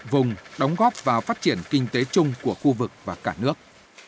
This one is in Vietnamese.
vùng đóng góp và phát triển kinh tế chung của khu vực và cả nước